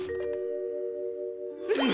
うん！